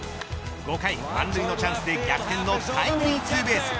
５回、満塁のチャンスで逆転のタイムリーツーベース。